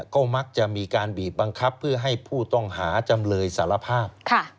ก็มักจะมีการบีบบังคับเพื่อให้ผู้ต้องหาจำเลยสารภาพ